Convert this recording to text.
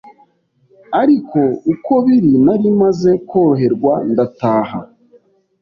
ariko uko biri nari maze koroherwa ndataha